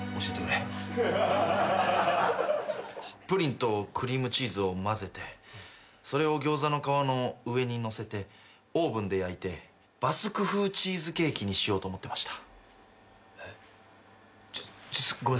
だからプリンとクリームチーズを混ぜてそれを餃子の皮の上にのせてオーブンで焼いてバスク風チーズケーキにしようと思ってました。